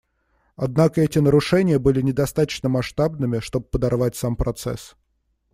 Однако эти нарушения были недостаточно масштабными, чтобы подорвать сам процесс.